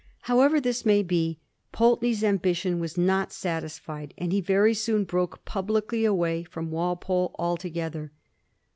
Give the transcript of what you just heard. However this may be, Pulteney's ambition was not satisfied, and he very soon broke publicly away from Walpole altogether.